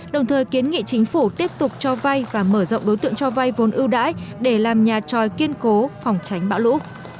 đồng thời kiến nghị chính phủ tiếp tục cho vay và mở rộng đối tượng cho vay vốn ưu đãi để làm nhà tròi kiên cố phòng tránh bão lũ